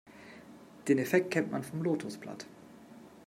Den Effekt kennt man vom Lotosblatt.